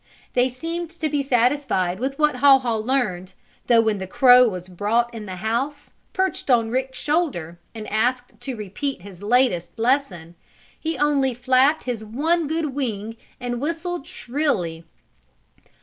They seemed to be satisfied with what Haw Haw learned, though when the crow was brought in the house, perched on Rick's shoulder, and asked to repeat his latest lesson, he only flapped his one good wing and whistled shrilly.